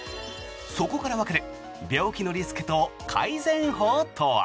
そこからわかる病気のリスクと改善法とは。